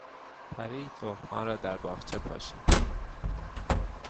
پری تخمها را در باغچه پاشید.